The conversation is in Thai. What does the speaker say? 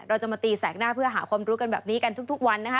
เราจะมาตีแสกหน้าเพื่อหาความรู้กันแบบนี้กันทุกวันนะคะ